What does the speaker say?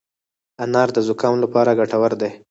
انار د زکام لپاره ګټور دی.